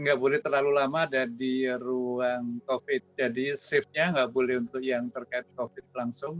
nggak boleh terlalu lama ada di ruang covid jadi shiftnya nggak boleh untuk yang terkait covid langsung